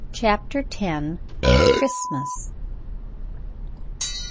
CHAPTER X. CHRISTMAS.